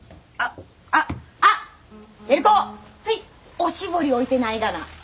おしぼり置いてないがな。